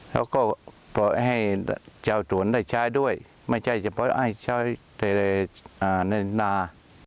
แล้วก็ให้เจ้าสวนได้ใช้ด้วยไม่ใช่เฉพาะให้เจ้าเตรียมในหน้า